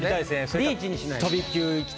リーチにしないと。